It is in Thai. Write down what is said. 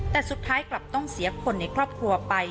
แต่สุดท้ายกลับต้องเสียคนในครอบครัวไป